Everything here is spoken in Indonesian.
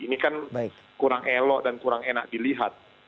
ini kan kurang elok dan kurang enak dilihat